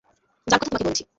যার কথা তোমাকে বলেছি।